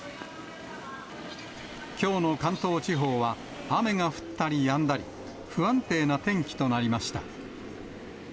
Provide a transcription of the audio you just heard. きょうの関東地方は、雨が降ったりやんだり、不安定な天気となりました。